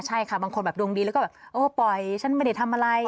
ใช่ค่ะบางคนแบบดวงดีแล้วก็แบบเออปล่อยฉันไม่ได้ทำอะไร